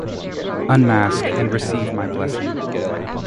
Unmask, and receive my blessing.